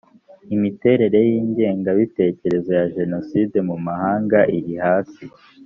imiterere y ingengabitekerezo ya jenoside mu mahanga iri hasi